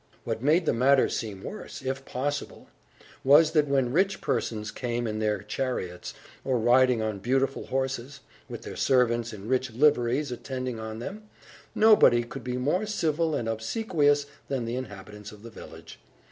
What made the matter seem worse, if possible, was that when rich persons came in their chariots, or riding on beautiful horses, with their servants in rich liveries attending on them, nobody could be more civil and obsequious than the inhabitants of the village.